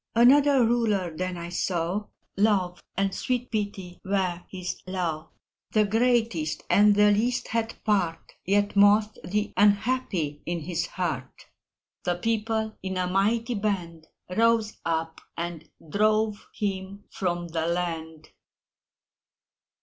Another Ruler then I saw Love and sweet Pity were his law: The greatest and the least had part (Yet most the unhappy) in his heart The People, in a mighty band, Rose up, and drove him from the land!